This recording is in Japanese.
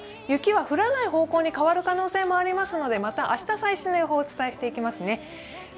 雪は降らない方向に変わる可能性もありますのでまた明日、最新の予報をお伝えしていきますね。